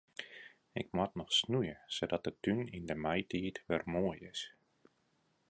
Ik moat noch snoeie sadat de tún yn de maitiid wer moai is.